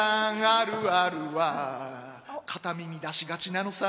あるあるは片耳出しがちなのさ。